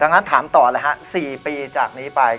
งั้นถามต่อเลยฮะ๔ปีจากนี้ไป